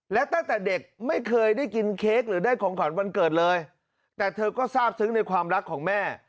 และตั้งแต่เด็กไม่เคยได้กินเค้กหรือได้ของขวัญวันเกิดเลยแต่เธอก็ทราบซึ้งในความรักของแม่